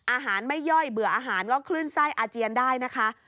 อาหารไม่ย่อยเบื่ออาหารก็คลื่นไส้อาเจียนได้นะคะ